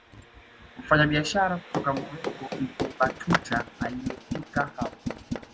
Mfanyabiashara kutoka Morocco Ibn Batuta aliyefika hapo